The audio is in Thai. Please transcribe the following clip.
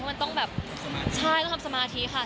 มันต้องแบบใช่ต้องทำสมาธิค่ะ